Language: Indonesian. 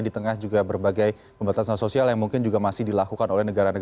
di tengah juga berbagai pembatasan sosial